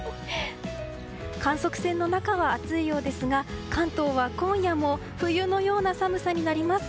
観測船の中は暑いようですが関東は今夜も冬のような寒さになります。